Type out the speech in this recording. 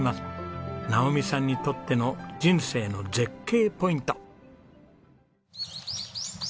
直己さんにとっての人生の絶景ポイント。